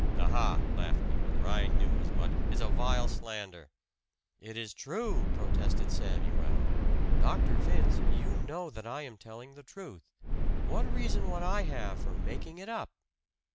"Aha!" laughed the other. "I knew as much! It is a vile slander!" "It is true!" protested Samuel. "Dr. Vince, you know that I am telling the truth. What reason would I have for making it up?"